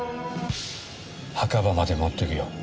墓場まで持っていくよ。